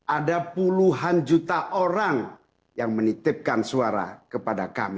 ada puluhan juta orang yang menitipkan suara kepada kami